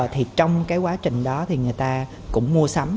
thì trong cái quá trình đó thì người ta cũng mua sắm